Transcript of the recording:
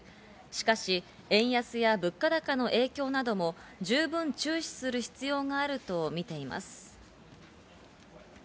しかし、円安や物価高の影響なども十分注視する必要があるとみています。